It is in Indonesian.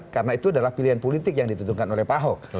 karena itu adalah pilihan politik yang ditentukan oleh pak ahok